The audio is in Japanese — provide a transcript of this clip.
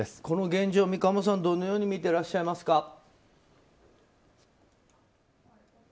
この現状を三鴨さんはどのようにみていらっしゃいますか。